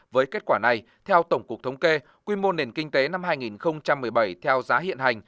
với kết quả này theo tổng cục thống kê quy mô nền kinh tế năm hai nghìn một mươi bảy theo giá hiện hành